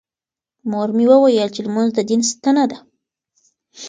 مور مې وویل چې لمونځ د دین ستنه ده.